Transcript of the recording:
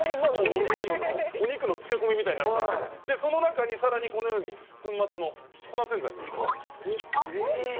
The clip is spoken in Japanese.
お肉の漬け込みみたいになっていますが、この中にさらに粉洗剤を入れます。